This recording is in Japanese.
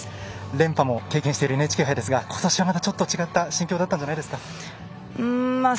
連覇も経験しているＮＨＫ杯ですが今年はまたちょっと違った心境だったんじゃないですか？